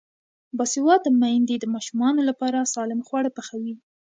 باسواده میندې د ماشومانو لپاره سالم خواړه پخوي.